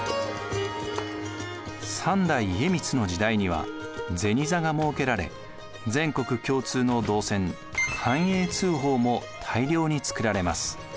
３代家光の時代には銭座が設けられ全国共通の銅銭寛永通宝も大量につくられます。